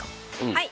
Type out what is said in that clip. はい。